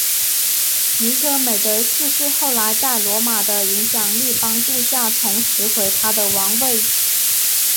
尼科美德四世后来在罗马的影响力帮助下重拾回他的王位。